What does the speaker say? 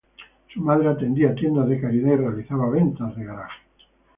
Su madre atendía tiendas de caridad y realizaba ventas de garaje.